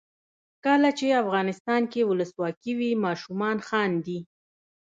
کله چې افغانستان کې ولسواکي وي ماشومان خاندي.